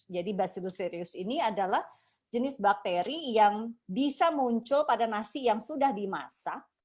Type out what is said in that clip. jadi bacillus cereus ini adalah jenis bakteri yang bisa muncul pada nasi yang sudah dimasak